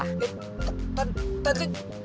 eh tante tante